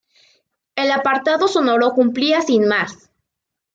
El apartado sonoro cumplía sin más.